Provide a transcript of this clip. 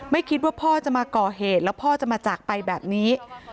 ไม่คิดว่าพ่อจะมาก่อเหตุแล้วพ่อจะมาจากไปแบบนี้